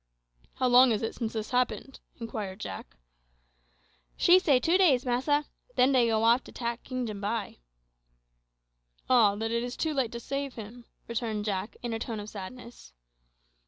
"How long is it since this happened?" inquired Jack. "She say two days, massa. Den dey go off to 'tack King Jambai." "Ah! then it is too late to save him," returned Jack, in a tone of sadness.